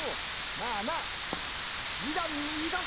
まあまあ示談にいたせ。